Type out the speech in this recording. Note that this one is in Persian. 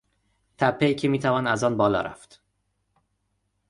تپهای که میتوان از آن بالا رفت